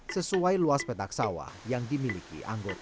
sesuai luas petak sawah yang dimiliki anggota